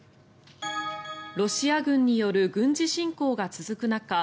ロシア軍による軍事侵攻が続く中